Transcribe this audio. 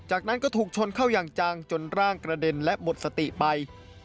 จากนั้นก็ถูกชนเข้าอย่างจังจนร่างกระเด็นและหมดสติไป